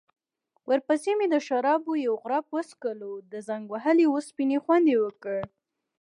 ورپسې مې د شرابو یو غوړپ وڅکلو، د زنګ وهلې اوسپنې خوند يې وکړ.